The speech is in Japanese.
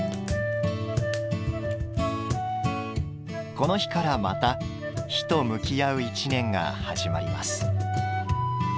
この日からまた火と向き合う１年が始まります。